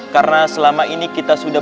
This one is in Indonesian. karena selama ini kita sudah